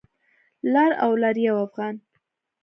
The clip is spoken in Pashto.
لر او لر یو افغان